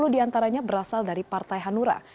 tiga puluh diantaranya berasal dari partai hanura